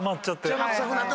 邪魔くさくなって。